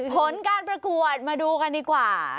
ผลการประกวดมาดูกันดีกว่า